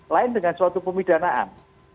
lain dengan suatu pemidanaan